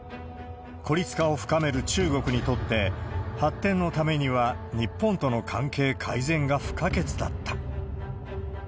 孤立化を深める中国にとって、発展のためには日本との関係改善が不可欠だった。